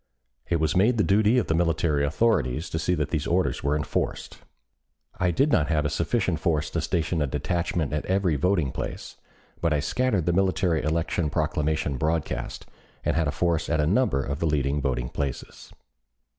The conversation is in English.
It was made the duty of the military authorities to see that these orders were enforced. I did not have a sufficient force to station a detachment at every voting place, but I scattered the military election proclamation broadcast, and had a force at a number of the leading voting places.